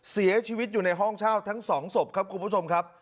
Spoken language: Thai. เสียชีวิตอยู่ในห้องเช่าทั้งสองศพครับคุณผู้ชมครับ